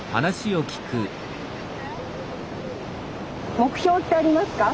目標ってありますか？